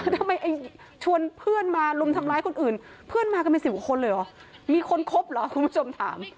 ทำไมชวนเพื่อนมาลุมทำร้ายคนอื่นเพื่อนมากันไม่๑๐คนเลยหรอมีคนครบหรอผู้ผู้ชมถาม